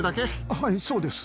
はい、そうです。